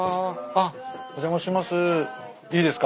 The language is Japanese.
あっお邪魔します。